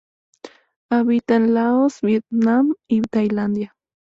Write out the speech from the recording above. Habita en Laos, Vietnam y Tailandia.